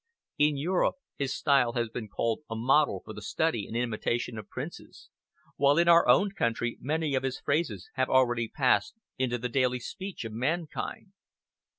In Europe his style has been called a model for the study and imitation of princes, while in our own country many of his phrases have already passed into the daily speech of mankind.